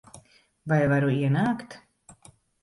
Vai varu ienākt?